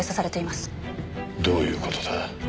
どういう事だ？